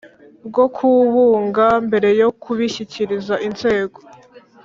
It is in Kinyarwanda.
Bwo kubunga mbere yo kubishyikiriza inzego